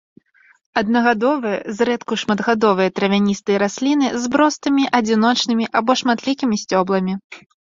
Аднагадовыя, зрэдку шматгадовыя травяністыя расліны з простымі адзіночнымі або шматлікімі сцёбламі.